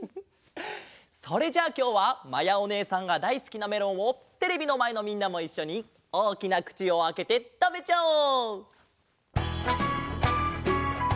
それじゃあきょうはまやおねえさんがだいすきなメロンをテレビのまえのみんなもいっしょにおおきなくちをあけてたべちゃおう！